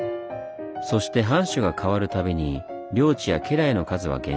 そして藩主が代わる度に領地や家来の数は減少。